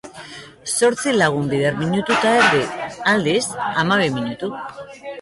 Zortzi lagun bider minutu eta erdi, aldiz, hamabi minutu.